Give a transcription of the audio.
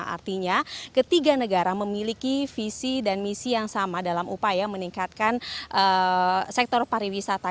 artinya ketiga negara memiliki visi dan misi yang sama dalam upaya meningkatkan sektor pariwisata